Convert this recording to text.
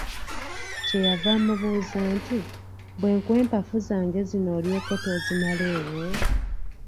Kyeyava amubuuza nti, "Bwenkuwa empafu zange zino olyeko tozimalewo?"